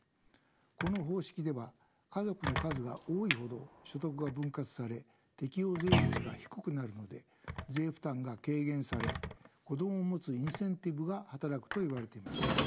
この方式では家族の数が多いほど所得が分割され適用税率が低くなるので税負担が軽減され子どもを持つインセンティブが働くといわれています。